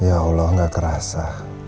ya allah gak kerasa